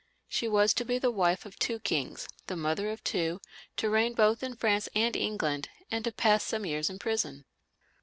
She was to be the wife of 80 LOUIS VL , [CH. two kings, the mother of two, to reign both in France and England, and to pass some years in prison.